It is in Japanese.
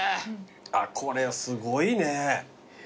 あっこれすごいね。